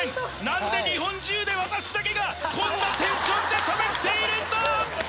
何で日本中で私だけがこんなテンションでしゃべっているんだ！？